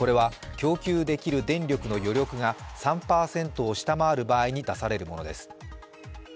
これは供給できる電力の３％を下回る場合に出されるものです。